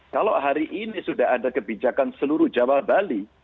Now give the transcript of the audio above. kalau hari ini sudah ada kebijakan seluruh jawa bali